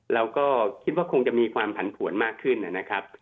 เราก็คิดว่าคงจะมีความผันผวนมากขึ้นนะครับ